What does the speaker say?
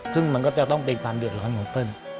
ซึ่งมันก็จะต้องเป็นความเดือดร้อนของเปิ้ล